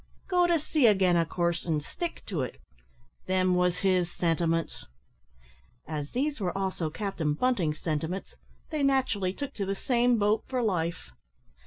go to sea again, of coorse, an' stick to it; them wos his sentiments." As these were also Captain Bunting's sentiments, they naturally took to the same boat for life.